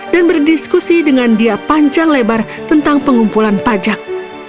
dan berdiskusi dengan dia panjang lebar tentang pengumpulan pajak